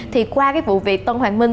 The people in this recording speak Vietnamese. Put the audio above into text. thì qua cái vụ việc tân hoàng minh